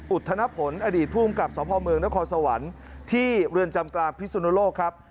อุตถนผลอดีตภูมิกับสพมทที่เรือนจำกลางพิศุนโลกครับ